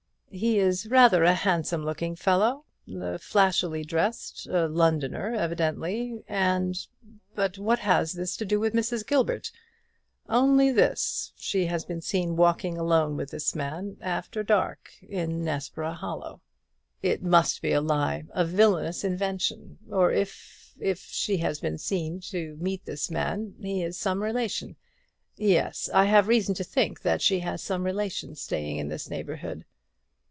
"He is rather a handsome looking fellow; flashily dressed a Londoner, evidently and " "But what has all this to do with Mrs. Gilbert?" "Only this much, she has been seen walking alone with this man, after dark, in Nessborough Hollow." "It must be a lie; a villanous invention! or if if she has been seen to meet this man, he is some relation. Yes, I have reason to think that she has some relation staying in this neighbourhood."